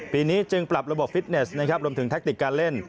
ปีนี้จึงปรับรบบกฟิตเนสรวมถึงแทคติกรารเล่น